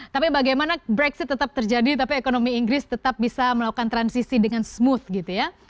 tapi bagaimana brexit tetap terjadi tapi ekonomi inggris tetap bisa melakukan transisi dengan smooth gitu ya